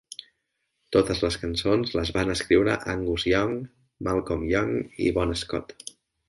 Totes les cançons les van escriure Angus Young, Malcolm Young i Bon Scott.